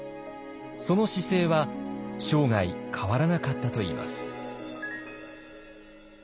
その姿勢は生涯変わらなかったといいます。